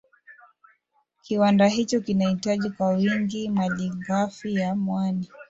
Kiwanda hicho kinahitaji kwa wingi malighafi ya mwani